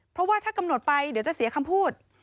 เพราะว่าถ้ากำหนดไปเดี๋ยวจะเสียคำพูด